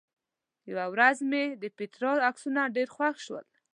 یوه ورځ مې د پېټرا عکسونه ډېر خوښ شول.